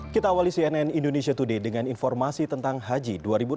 kita awali cnn indonesia today dengan informasi tentang haji dua ribu enam belas